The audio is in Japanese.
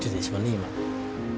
今。